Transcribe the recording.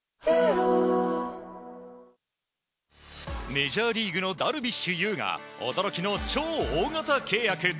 メジャーリーグのダルビッシュ有が驚きの超大型契約！